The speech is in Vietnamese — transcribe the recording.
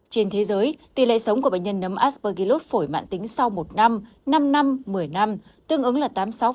trên thế giới tỷ lệ sống của bệnh nhân nấm aspergillus phổi mạng tính sau một năm năm năm một mươi năm tương ứng là tám mươi sáu sáu mươi hai bốn mươi bảy